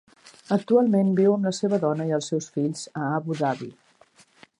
Actualment viu amb la seva dona i els seus fills a Abu Dhabi.